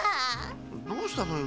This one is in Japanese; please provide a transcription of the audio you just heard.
どうしたのよ